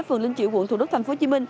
phường linh triệu quận thủ đức tp hcm